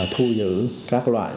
thu giữ các loại